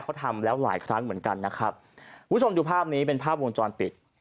เขาทำแล้วหลายครั้งเหมือนกันนะครับคุณผู้ชมดูภาพนี้เป็นภาพวงจรปิด